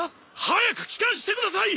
早く帰艦してください！